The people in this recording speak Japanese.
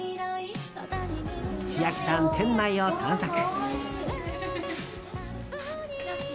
千秋さん、店内を散策。